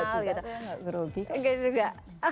enggak juga enggak grogi